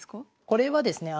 これはですね